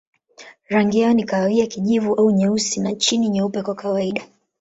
Rangi yao ni kahawia, kijivu au nyeusi na chini nyeupe kwa kawaida.